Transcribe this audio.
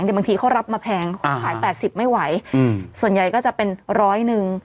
เดี๋ยวบางทีเขารับมาแพงอ่าขายแปดสิบไม่ไหวอืมส่วนใหญ่ก็จะเป็นร้อยนึง